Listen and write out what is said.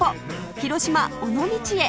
広島尾道へ